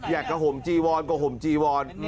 กระห่มจีวอนกับห่มจีวอน